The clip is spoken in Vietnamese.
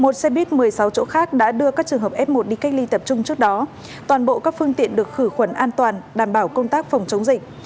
một xe buýt một mươi sáu chỗ khác đã đưa các trường hợp f một đi cách ly tập trung trước đó toàn bộ các phương tiện được khử khuẩn an toàn đảm bảo công tác phòng chống dịch